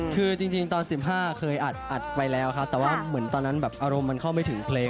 คือจริงตอน๑๕เคยอัดไปแล้วครับแต่ว่าเหมือนตอนนั้นแบบอารมณ์มันเข้าไม่ถึงเพลง